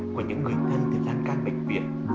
của những người thân từ lan can bệnh viện